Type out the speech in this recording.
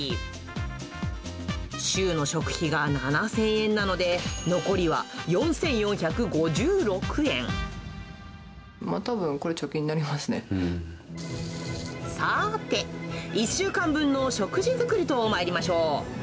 週の食費が７０００円なので、たぶん、これ、貯金になりまさーて、１週間分の食事作りとまいりましょう。